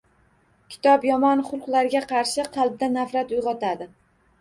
Kitob yomon xulqlarga qarshi qalbda nafrat uyg‘otadi.